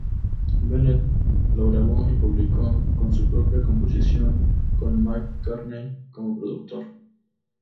Bennett lo grabó y publicó, con su propia composición, con McCartney como productor.